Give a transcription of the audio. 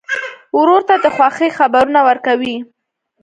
ورور ته د خوښۍ خبرونه ورکوې.